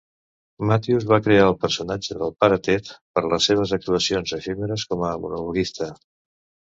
Mathews va crear el personatge del Pare Ted per a les seves actuacions efímeres com a monologuista.